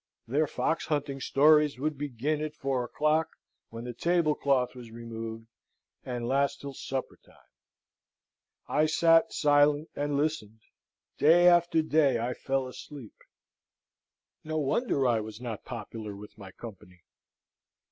Their fox hunting stories would begin at four o'clock, when the tablecloth was removed, and last till supper time. I sate silent, and listened: day after day I fell asleep: no wonder I was not popular with my company.